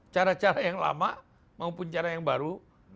cara cara yang lama maupun cara yang baru